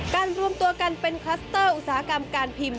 รวมตัวกันเป็นคลัสเตอร์อุตสาหกรรมการพิมพ์